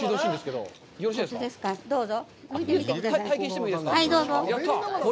どうぞ。